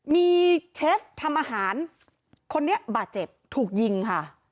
มีเชฟทำอาหารคนนี้บาดเจ็บถูกยิงค่ะ